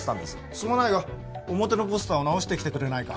すまないが表のポスターを直してきてくれないか？